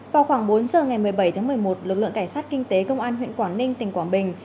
vào khoảng bốn giờ ngày một mươi bảy tháng một mươi một lực lượng cảnh sát kinh tế công an huyện quảng ninh tỉnh quảng bình